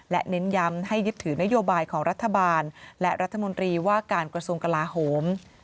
และเน้นย้ำให้ยึดถือนโยบายของรัฐบาลและรัฐมนตรีว่าการกระทรวงกลาโหม